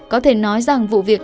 có thể nói rằng vụ việc